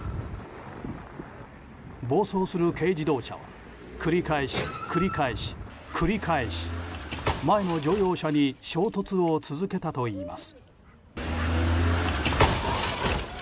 暴走する軽自動車は繰り返し、繰り返し、繰り返し前の乗用車に衝突を続けたといいます。